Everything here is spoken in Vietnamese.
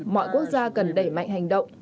mọi quốc gia cần đẩy mạnh hành động